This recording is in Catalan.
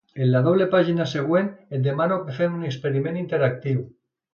En la doble pàgina següent, et demano que fem un experiment interactiu.